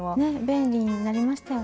便利になりましたよね。